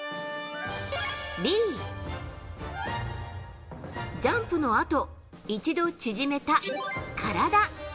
Ｂ、ジャンプ後、一度縮めた体。